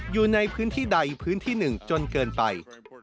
อยู่ในพื้นที่ใดพื้นที่หนึ่งจนเกินไป